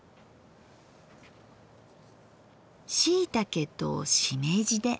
しいたけとしめじで。